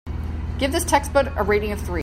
Give this textbook a rating of three.